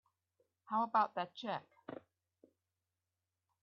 How about that check?